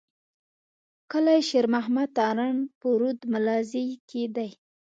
کلي شېر محمد تارڼ په رود ملازۍ کي دی.